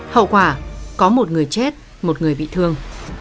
hậu quả có một người chết một người bị thương